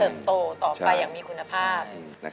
โตต่อไปอย่างมีคุณภาพ